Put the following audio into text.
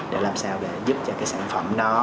để làm sao để giúp cho cái sản phẩm đó